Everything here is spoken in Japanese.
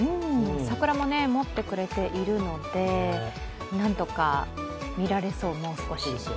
桜ももってくれているので、なんとか見られそう、もう少し。